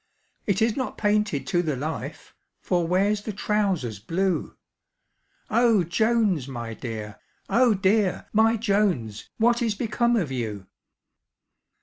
"It is not painted to the life, For where's the trowsers blue? Oh Jones, my dear! Oh dear! my Jones, What is become of you?"